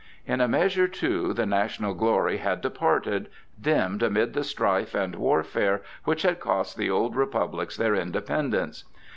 In a measure, too, the national glory had departed, dimmed amid the strife and warfare which had cost the old republics their indepen dence.